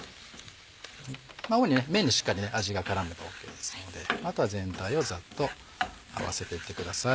主に麺にしっかり味が絡んでればＯＫですのであとは全体をザッと合わせてってください。